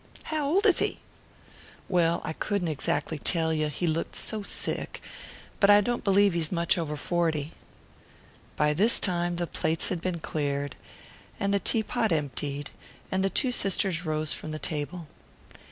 "How old is he?" "Well, I couldn't exactly tell you, he looked so sick but I don't b'lieve he's much over forty." By this time the plates had been cleared and the teapot emptied, and the two sisters rose from the table.